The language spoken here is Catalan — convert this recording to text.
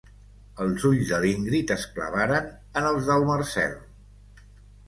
Els ulls de l'Ingrid es clavaran en els del Marcel.